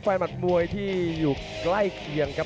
หมัดมวยที่อยู่ใกล้เคียงครับ